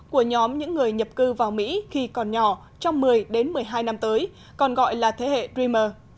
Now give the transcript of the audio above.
của nhóm những người nhập cư vào mỹ khi còn nhỏ trong một mươi đến một mươi hai năm tới còn gọi là thế hệ dreamer